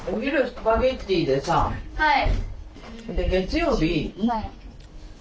はい。